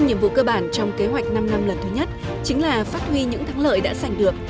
nhiệm vụ cơ bản trong kế hoạch năm năm lần thứ nhất chính là phát huy những thắng lợi đã sành được